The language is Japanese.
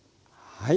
はい。